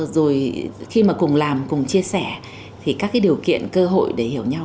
rồi khi mà cùng làm cùng chia sẻ thì các cái điều kiện cơ hội để hiểu nhau